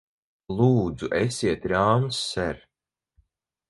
Lūdzu, esiet rāms, ser!